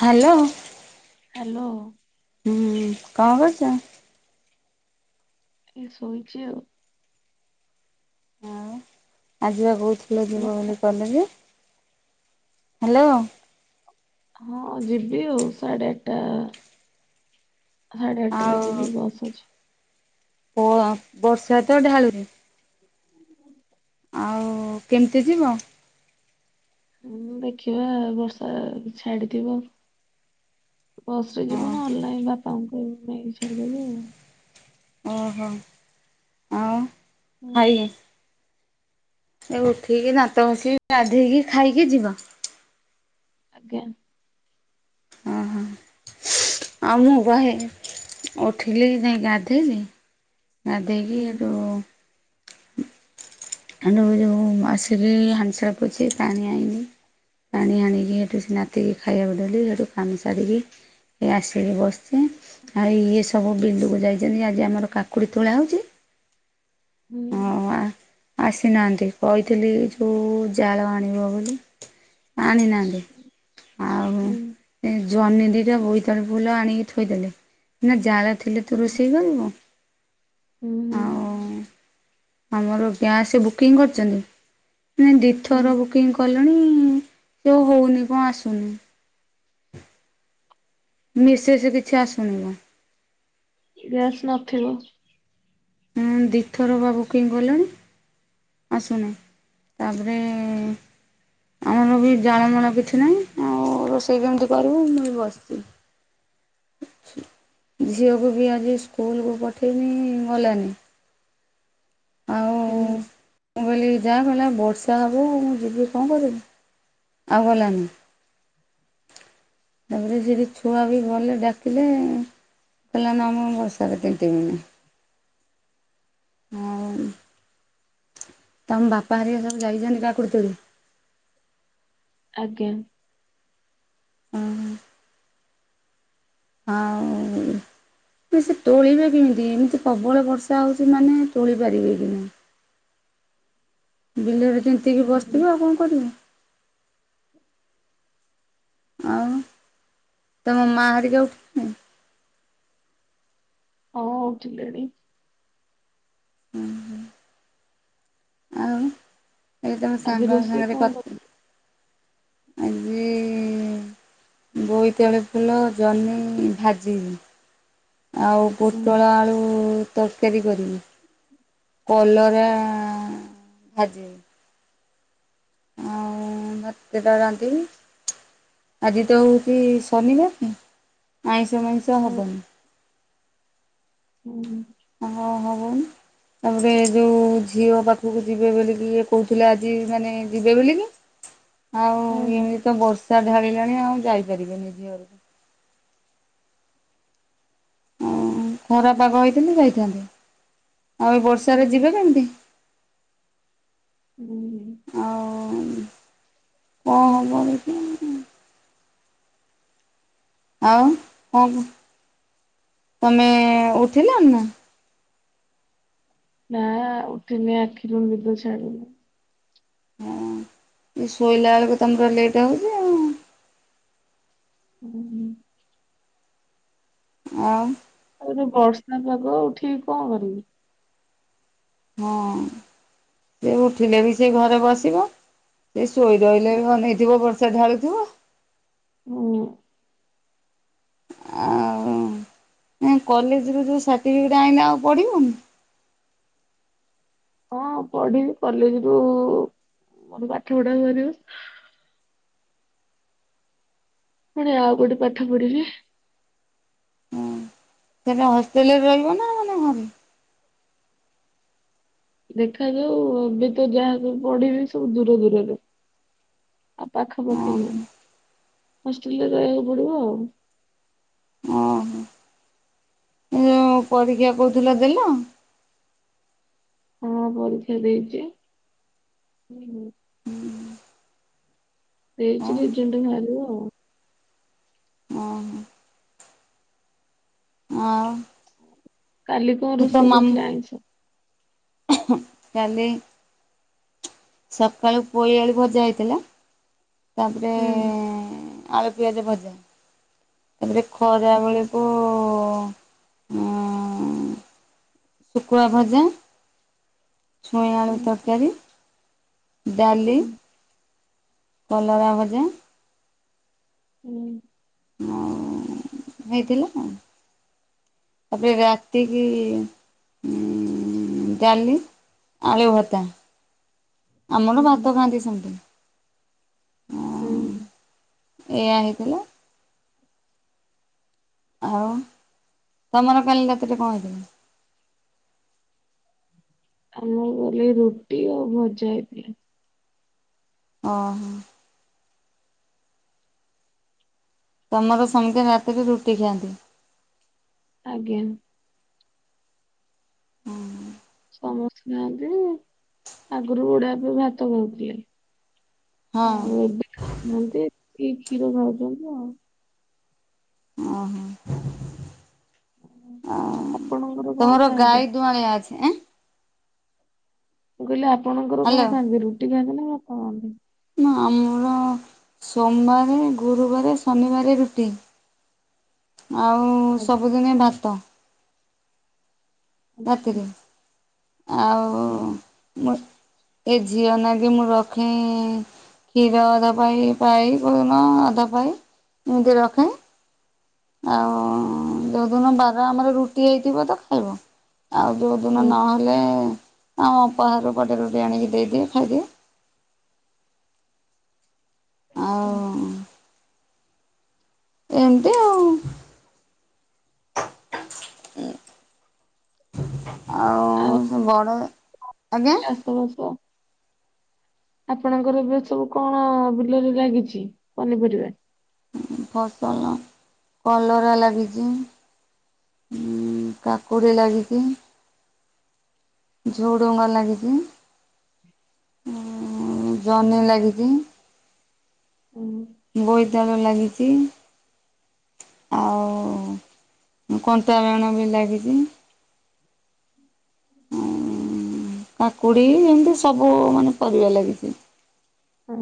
Hello. Hello. ହୁଁ କଣ କରୁଚ? ଏ ଶୋଇଚି ଆଉ। ଆଉ ଆଜି ବା କହୁଥିଲେ ଯିବ ବୋଲି ବସ୍- କଲେଜେ ହାଲୋ। ହଁ ଯିବି ଆଉ ସାଡ଼େ ଆଠଟା ଆ ହାଡ଼େ ଆଟ୍ ଟା ରେ ଯିବି ବସ୍ ଅଛି। ପ ଆ ବର୍ଷା ତ ଢାଳୁଚି। ଆଉ କେମିତି ଯିବ? ହୁଁ ଦେଖିବା ବର୍ଷା ଯଦି ଛାଡ଼ିଥିବା। ବସ୍ ରେ ଯିବୁ ନହଲେ ବାପାଙ୍କୁ କହିବୁ ନେଇକି ଛାଡ଼ିଦେବେ ଆଉ। ଓହୋ ଆଉ? ହୁଁ। [unintelligible] ଏ ଉଠିକି ଦାନ୍ତ ଘସିକି ଗାଧେଇକି ଖାଇକି ଯିବ? ଆଜ୍ଞା। ଅଁ ହଁ। ଆଉ ମୁଁ ପା ହେଇ ଉଠିଲି ଯାଇଁ ଗାଧେଇଲି। ଗାଧେଇକି ହୁଁ ହେଟୁ ହେଟୁ ଏଯୋଉଁ ଆସିରି ହାଣ୍ଡିଶାଳ ପୋଛିଲି ପାଣି ଆଇଁଲି। ପାଣି ହାଣିକି ହେଠୁ ସେ ନାତି କି ଖାଇବାକୁ ଦେଲି ହେଠୁ କାମ ସାରିକି ଏ ଆସିକି ବସିଚି। ଆଉ ଇଏ ସବୁ ବିଲୁକୁ ଯାଇଛନ୍ତି ଆଜି ଆମର କାକୁଡ଼ି ତୋଳା ହୋଉଛି। ହୁଁ। ଆସିନାହାନ୍ତି କହିଥିଲି ଯୋଉ ଜାଳ ଆଣିବ ବୋଲି। ଆଣି ନାହାନ୍ତି। ଆଉ ହୁଁ ଏ ଜହ୍ନି ଦିଟା ବୋଇତାଳୁ ଫୁଲ ଆଣିକି ଥୋଇଦେଲେ। ନା ଜାଳ ଥିଲେ ତୁ ହୁଁ। ରୋଷେଇ କରିବୁ। ଆଉ ହୁଁ। ଆମର ଗ୍ୟାସ୍ ବୁକିଂ କରିଛନ୍ତି ନାଇଁ ଦିଥର ହୁଁ ବୁକିଂ କ କଲଣି ସେଉ ହୋଉନି କଣ ଆସୁନି। ମିସେଜ କିଛି ଆସୁନି ବ। ଗ୍ୟାସ୍ ନଥିବ। ହୁଁ ଦିଥର ବା ବୁକିଂ କଲେଣି। ଆସୁନି ତାପରେ ଆମର ବି ଜାଳ ମାଳ କିଛି ନାହିଁ ଆଉ ରୋଷେଇ କେମିତି କରିବୁ ମୁଁ ବି ବସିଛି। ଝିଅକୁ ବି ଆଜି ସ୍କୁଲକୁ ପଠେଇନି ଗଲାନି। ଆଉ ହୁଁ। ମୁଁ କହିଲି ଯାହା କହିଲା ବର୍ଷା ହେବ ମୁଁ ଯିବି କଣ କରିବି? ଆଉ ଗଲାନି। ତାପରେ ସେଇଠି ଛୁଆ ବି ଗଲେ ଡାକିଲେ। କହିଲା ନା ମୁଁ ବର୍ଷାରେ ତିନ୍ତିମିଣି। ହଉ ତମ ବାପା ହେରିକା ସବୁ ଯାଇଛନ୍ତି କାକୁଡ଼ି ତୋଳି। ଆଜ୍ଞା। ଉଁ ହୁଁ। ଆଉ ସେ ତୋଳିବେ କେମିତି? ଏମିତି ପ୍ରବଳ ବର୍ଷା ହଉଛି ମାନେ ତୋଳି ପାରିବେ କି ନା ବିଲରେ ତିନ୍ତିକି ହୁଁ ବସିଥିବ, ଆଉ କଣ କରିବ? ଆଉ ତମ ମା ହେରିକା ଉଠି ହଁ ଉଠିଲେଣି। ହୁଁ ହୁଁ। ଏଇ ତମ ଆଜି ସାଙ୍ଗ ରୋଷେଇ ସାଙ୍ଗରେ କଣ କ କରିବେ? ଆଜି ବୋଇତାଳୁ ଫୁଲ, ଜହ୍ନି ଭାଜି ଆଉ ହୁଁ ପୋଟଳ ଆଳୁ ତରକାରୀ କରିବି, କଲରା ଭାଜିବି। ଆଉ ଭାତ ଦିଟା ରାନ୍ଧିବି। ଆଜି ତ ହଉଛି ଶନିବାର କି ଆଇଁଷ ମଇଁଷ ହୁଁ ହବନି। ହୁଁ ହୁଁ। ହ ହ [unintelligible] ତାପରେ ଯୋଉ ଝିଅ ପାଖକୁ ଯିବେ ବୋଲିକି ଇଏ କହୁଥିଲେ ଆଜି ମାନେ ଯିବେ ବୋଲିକି। ଆଉ ହୁଁ ଏମିତି ତ ବର୍ଷା ଢାଳିଲାଣି ଆଉ ଯାଇପାରିବେନି ଝିଅ ଘରକୁ। ହୁଁ ଖରାପାଗ ହେଇଥିଲେ ଯାଇଥାନ୍ତେ ଆଉ ଏ ବର୍ଷାରେ ଯିବେ ହୁଁ କେମିତି? ହୁଁ ଆଉ କଣ ହବ ଦେଖିଆ। ଆଉ କଣ କ ତମେ ଉଠିଲଣି ନା? ନା ଉଠନି ଆଖିରୁ ନିଦ ଛାଡୁନି। ହଁ ଶୋଇଲା ବେଳକୁ ତମର ଲେଟ୍ ହଉଛି। ଆଉ। ଆ ଆଉ ବର୍ଷା ପାଗ, ଉଠିକି କଣ କରିବି? ହଁ ସେ ଉଠିଲେ ବି ସେ ଘରେ ବସିବ। ସେ ଶୋଇ ରହିଲେ ବି ଅନେଇଥିବ ବର୍ଷା ଢାଳୁଥିବ। ହୁଁ ଉଁ ଆଉ କଲେଜରୁ ଯେଉଁ ସାର୍ଟିଫିକେଟ୍ ଆଣିଲେ ଆଉ ପଢ଼ିବନି? ହଁ ପଢିବି କଲେଜରୁୁ ମୋର ପାଠ ପଢା କରିବ। ପୁଣି ଆଉ ଗୋଟେ ପାଠ ପଢିବି। ସେଲେ ହଷ୍ଟେଲରେ ରହିବ ନା ମାନେ ଘରେ? ଦେଖାଯାଉ ଏବେ ତ ଯାହାକୁ ପଢିବି ସବୁ ଦୂର ଦୂରରେ। ଆଉ ପାଖପଖି ନୁହ, ହଷ୍ଟେଲ ରେ ରହିବାକୁ ପଡିବ ଆଉ। କଣ ପରୀକ୍ଷା କହୁଥିଲା ଦେଲ? ହଁ ପରୀକ୍ଷା ଦେଇଛି। ଦେଇଚି, ରେଜାଲଟ ବାହାରିବ ଆଉ। ଓହୋ ହ କାଲି କଣ ରୋଷେଇ କରିଥିଲ ମାମୁଁ ଆଇଁଷ? କାଲି ସକାଳୁ ପୋଇଆଳୁ ଭଜା ହେଇଥିଲା। ତାପରେ ହୁଁ ଆଳୁ ପିଆଜ ଭଜା। ତାପରେ ଖରା ବେଳକୁ ଉ ଶୁଖଣା ଭଜା ଛୁଇଁ ଆଳୁ ହୁଁ ତରକାରୀ। ଡାଲି ହୁଁ କଲରା ବଜା। ହୁଁ। ଆଉ ହେଇଥିଲା। ତାପରେ ରାତିକ ଉ ଡାଲି। ଆଳି ଭତା ହୁଁ ଆମର ଭାତ ଖାଆନ୍ତି ସେମତି। ହୁଁ। ଏଇଆ ହେଇଥିଲା। ଆଉ ତମର କାଲି ରାତିରେ କଣ ହେଇଥିଲା। ଆମ ଗଲେ ରୁଟି ଆଉ ଭଜା ହେଇଥିଲା। ଓହୋ। ତମର ସମସ୍ତେ ରାତିରେ ରୁଟି ଖାଆନ୍ତି। ଆଜ୍ଞା। ହୁଁ। ସମସ୍ତେ ନାହାନ୍ତି ଆଗରୁ ବଡଆ ପାଇଁ ଭାତ କହୁଥିଲେ। ହଁ ଆଉ ଏବେହାନ୍ତି ଏ କ୍ଷୀର ଖାଉଛନ୍ତି ଆଉ। ଓହୋ। ଓ ଆପଣଙ୍କର କଣ ତମର ଖାଆନ୍ତି? ଗାଈ ଦୁଆଳିଆ ଅଛିଁ ଆଁ ମୁଁ କହିଲି ଆପଣଙ୍କର କଣ ହ୍ୟାଲୋ ଖାନ୍ତି ରୁଟି ଖାଆନ୍ତି ନା ଆପଣ ଖାଆନ୍ତି। ନା ଆମର ସୋମବାର ଗୁରୁବାର ଶନିବାର ରୁଟି। ଆଉ ଆଜ୍ଞା ସବୁଦିନେ ଭାତ। ଆଚ୍ଛା ରାତିରେ ଆଉ ହୁଁ, ମୁଁ ଏ ଝିଅ ନା କିି ମୁଁ ରଖେ କ୍ଷୀର ଅଧା ପା ପାଈ ପ ଆଧା ପାଈ ନି ରଖେ। ଆଉ ଯଉଦିନ ବାର ଆମର ରୁଟି ହେଇଥିବ ତ ଖାଇବ। ଆଉ ଯେଉଁଦିନ ହଁ ନହେଲେ ଆମ ଉପହାରୁ ପଟେ ରୁଟି ଆଣିକି ଦେଇଦିଏ ଖାଇଦିଏ। ଆଚ୍ଛା। ଆଉ ଏମିତି ଆଉ। [inaudible] ଆଉ ଘଡ଼ ଆଜ୍ଞା। [unintelligible] ଆପଣଙ୍କର ଏବେ ସବୁ କଣ ବିଲରେ ଲାଗିଛି ପନିପରିବା। ଫସଲ କଲରା ଲାଗିଛି। ଉ କାକୁଡ଼ି ଲାଗିଚି। ଝୁଡ଼ୁଙ୍ଗ ଲାଗିଛି। ଜହନି ଲାଗିଛି। ହୁଁ। ବୋଇତାଳୁ ଲାଗିଛି। ଆଉ କଣ୍ଟା ବେଣ ବି ଲାଗିଛି। ହଁ କାକୁଡି ଏମିତି ସବୁ ମାନେ ପରିବା ଲାଗିଛି। ହଁ।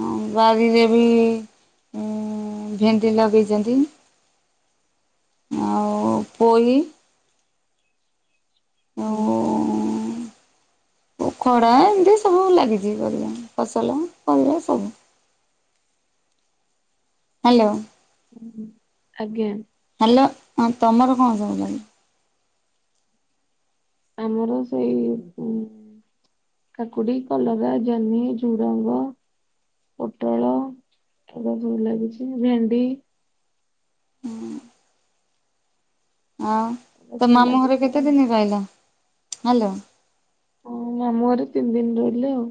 ହଁ ବାରିରେ ବି ଭେଣ୍ଡି ଲଗେଇଛନ୍ତି। ଆଉ ପୋଇ ହୁଁ। ଓ ଖଡ଼ା ଏମିତି ସବୁ ଲାଗିଛି ପରିବା ଫସଲ ପରିବା ସବୁ। ହ୍ୟାଲୋ। ଆଜ୍ଞା। ହ୍ୟାଲୋ ହଁ ତମର କଣ ସବୁ ଲାଗିଛି? ଆମର ସେଇ ଉ କାକୁଡି, କଲରା, ଜହ୍ନି, ଝୁଡ଼ଙ୍ଗ ପୋଟଳ ଏଗୁରା ସବୁ ଲାଗିଛି ଭେଣ୍ଡି। ହୁଁ। ଆଉ ଏଗୁଡା ତ ସବୁ ମାମୁଁ ଘରେ ଲାଗିଛି ଆଉ। କେତେ ଦିନ ରହିଲ ହାଲୋ। ମୁଁ ମାମୁଁ ଘରେ ତିନି ଦିନ ରହିଲି ଆଉ।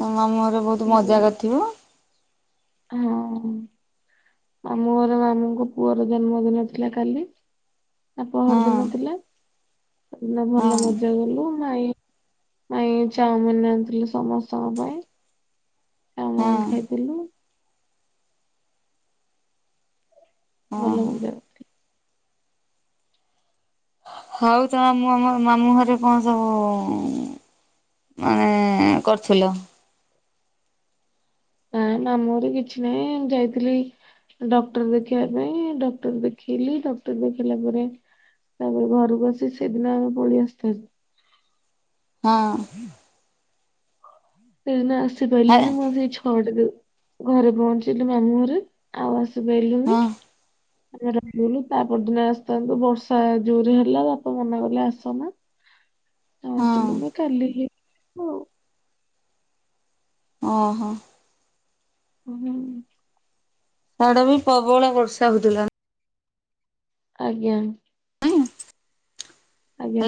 ତମେ ମାମୁଁ ଘରେ ବହୁତ୍ ତିନି ମଜା ଦିନ କରିଥିବ? ହଁ ମାମୁଁ ଘର ମାମୁଁଙ୍କ ପୁଅର ଜନ୍ମଦିନ ଥିଲା କାଲି। ତା ହଁ ପହର ଦିନ ଥିଲା ସେଦିନ ହଁ ଭଲ ମଜା କଲୁ ମାଇଁ ମାଇଁ ଚାଉମିିନ ଆଣିଥିଲେ ସମସ୍ତଙ୍କ ପାଇଁ ହଁ ଚାଉମିିନ ଖାଇଥିଲୁ। ଭଲ ଓହୋ। ମଜା ହଉ ତମ ମାମୁଁ ଘରେ କଣ ସବୁ? ମାନେ କରୁଥିଲ? ନା ନା ମାମୁ ଘରେ କିଛି ନାହିଁ ଏମିତି ଯାଇଥିଲି। ଡକ୍ଟର ଦେଖେଇବା ପାଇଁ ଡକ୍ଟର ଦେଖେଇଲି ଡକ୍ଟର ଦେଖେଇଲା ପରେ ତାପରେ ଘରକୁ ଆସି ସେଦିନ ଆମେ ପଳେଇ ଆସିଚୁ ହାରି। ହଁ। ସେଇଦିନ ଆସି ହେ ପାରିଲିନି ମୁଁ ସେଇ ଛଅଟାରେ ଘରେ ପହଞ୍ଚିଲି ମାମୁଁ ଘରେ। ଆଉ ଆସିପାଇଲୁନି। ହଁ ଆମେ ରହିଗଲୁ ତା ପରଦିନ ଆସିଥାନ୍ତୁ ବର୍ଷା ଜୋରେ ହେଲା ବାପା ମନା କଲେ ଆସନା। ଆଉ ହଁ ଆସିଲୁନି କାଲି ହି ଯିବୁ। ଅ ହ। ଓହୋ। ସାଡେ ବି ପ୍ରବଳ ବର୍ଷା ହଉଥିଲା। ଆଜ୍ଞା। ନାଇଁ? ଆଜ୍ଞା।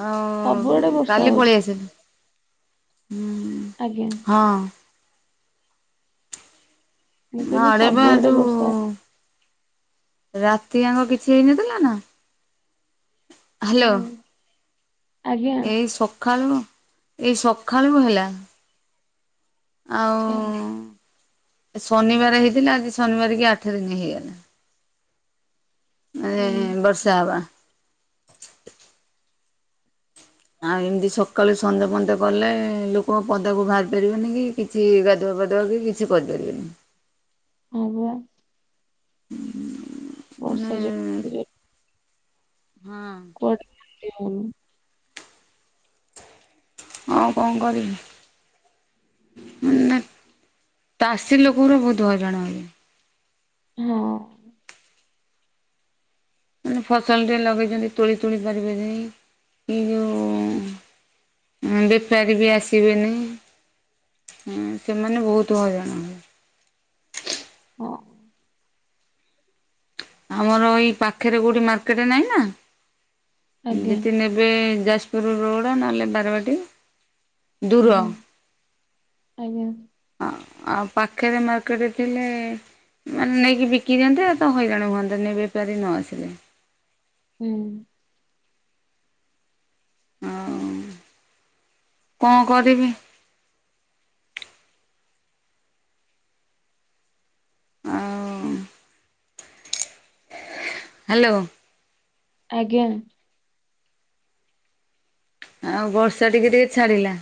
ଆଉ ସବୁଆଡେ ବର୍ଷା କାଲି ପଳେଇ ହଉଛି। ଆସିବେ ହୁଁ। ଆଜ୍ଞା। ହଁ। ମୁଁ କହିଲି ଘରେ ପା ସବୁଆଡେ ବର୍ଷା ହଉ- ଯୋଉ ରାତିଆଙ୍କ କିଛି ହେଇନଥିଲା ନା ହାଲୋ। ହୁଁ ଆଜ୍ଞା ଏଇ ସଖାଳୁ ଏଇ ସଖାଳୁ ହେଲା। ଆଚ୍ଛା ଆଉ ଶନିବାର ହେଇଥିଲା ଆଜି ଶନିବାର କି ଆଠ ଦିନ ହେଇଗଲା। ମାନେ ହୁଁ ବର୍ଷା ହବା। ଆଉ ଏମିତି ସକାଳୁ ସନ୍ଧ୍ ପନ୍ଦ କଲେ ଲୋକଙ୍କ ପଦାକୁ ବାହାରି ପାରିବେନି କି? କିଛି ଗାଧୁଆ ପାାଧୁଆ କି କିଛି କରିପାରିବେନି। ହୁଁ ବା। ମାନେ ବର୍ଷା ଯୁତିରେ ହଁ। [inaudible] ହଉ କଣ କରିବି? ମ ନା ଚାଷୀ ଲୋକଙ୍କର ବହୁତ ହଇରାଣ ହୁଏ। ହଁ। ମାନେ ଫସଲଟେ ଲଗେଇଛନ୍ତି ତୋଳି ତୋଳି ପାରିବେନି ଏଇ ଯୋଉ ବେପାରୀ ବି ଆସିବେନି। ହଁ ସେମାନେ ବହୁତ ହଇରାଣ ହନ୍ତି। ହଁ। ଆମର ଏଇ ପାଖରେ କୋଉଠି ମାର୍କେଟ ନାଇଁ ନା ଆଜ୍ଞା। ନେ ଏବେ ଯାଜପୁର ରୋଡ ନହେଲେ ବାରବାଟୀ। ଦୂର। ଆଜ୍ଞା ଆଜ୍ଞା ହଁ ଆଉ ପାଖରେ ମାର୍କେଟରେ ଥିଲେ ମାନେ ନେଇକି ବିକି ଦିଅନ୍ତ ଆଉ ତ ହଇରାଣ ହୁ ଆନ୍ଦନୀ ବେପାରୀ ନ ଆସିଲେ ହୁଁ। ହଉ କଣ କରିବି ଆଉ ହାଲୋ। ଆଜ୍ଞା। ଆଉ ବର୍ଷା ଟିକେ ଟିକେ ଛାଡି଼ଲା।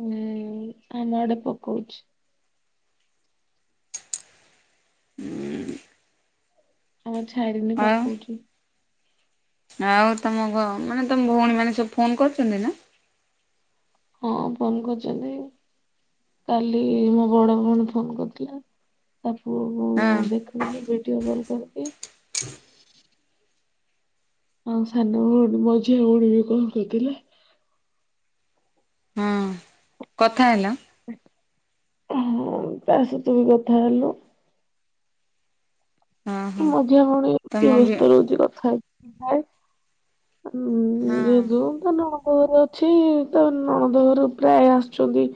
ହୁଁ ଆମ ଆଡ଼େ ପକଉଛି। ଉଁ ଆଉ ଛାଡ଼ିନି ଆଉ ପକଉଛି। ଆଉ ତମ ଘ ମାନେ ତମ ଭଉଣୀ ମାନେ ସବୁ ଫୋନ୍ କରୁଛନ୍ତି ନା? ହଁ ଫୋନ୍ କରୁଛନ୍ତି। କାଲି ମୋ ବଡ଼ ଭଉଣୀ ଫୋନ୍ କରିଥିଲା ତା ପୁଅ କୁ ହଁ। ଦେଖୁଥିଲି ଭିଡିଓ କଲ୍ କରିକି। ଆଉ ସାନ ଭଉଣୀ ମଝିଆ ହଉଣୀ ବି କଲ୍ କରିଥିଲେ। ହଁ କଥା ହେଲ? ହଁ ତା ସହିତ ବି କଥା ହେଲୁ। ହଁ ହଁ ମଝିଆ କଣଛି ତମ ବି ବ୍ୟସ୍ତ ରହୁଛି କଥା ହୁଁ ହଁ। ଯେହେତୁ ତ ନଣଦହରେ ଅଛି ତା ନଣଦ ଘରୁ ପ୍ରାୟ ଆସୁଛନ୍ତି